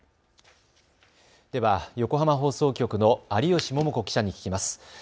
では、横浜放送局の有吉桃子記者に聞きます。